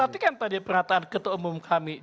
berarti kan tadi perataan ketua umum kami